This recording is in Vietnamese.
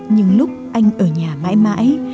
nhưng lúc anh ở nhà mãi mãi